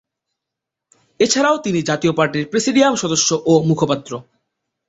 এছাড়াও তিনি জাতীয় পার্টির প্রেসিডিয়াম সদস্য ও মুখপাত্র।